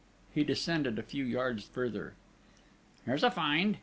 He descended a few yards further: "Here's a find!"